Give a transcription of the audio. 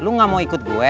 lu gak mau ikut gue